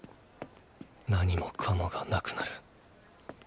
何もかもがなくなる。